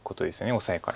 オサエから。